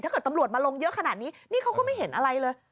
ตำรวจมาลงเยอะขนาดนี้นี่เขาก็ไม่เห็นอะไรเลย